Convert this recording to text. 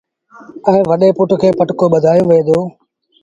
ائيٚݩ وڏي پُٽ کي پٽڪو ٻڌآيو وهي دو